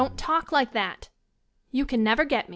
Don't talk like that. You can never get me.